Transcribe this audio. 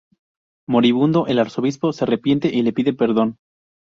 Moribundo, el arzobispo se arrepiente y le pide perdón.